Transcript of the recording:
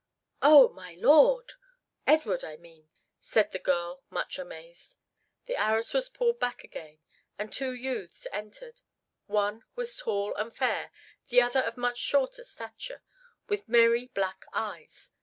"Oh, my lord Edward, I mean," said the girl, much amazed. The arras was pulled back again, and two youths entered. One was tall and fair, the other of much shorter stature, with merry black eyes.